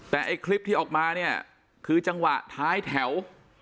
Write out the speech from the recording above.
แต่ไอ้คลิปที่ออกมาเนี่ยคือจังหวะท้ายแถว